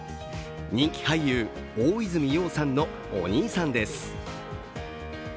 人気俳優、大泉洋さんのお兄さんです。